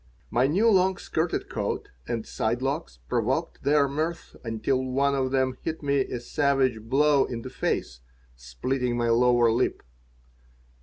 My new long skirted coat and side locks provoked their mirth until one of them hit me a savage blow in the face, splitting my lower lip.